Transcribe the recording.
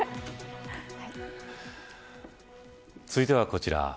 続いてはこちら。